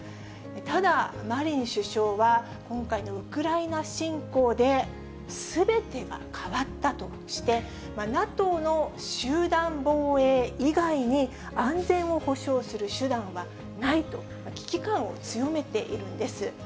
ただ、マリン首相は、今回のウクライナ侵攻ですべてが変わったとして、ＮＡＴＯの集団防衛以外に、安全を保証する手段はないと、危機感を強めているんです。